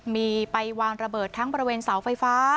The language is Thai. มีไปวางระเบิดทั้งบริเวณเสาไฟฟ้า